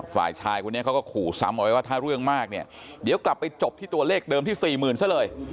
ฝ่ายชายคนนี้เขาก็ขู่ซ้ำเอาไว้ว่าถ้าเรื่องมากเนี่ยเดี๋ยวกลับไปจบที่ตัวเลขเดิมที่สี่หมื่นซะเลย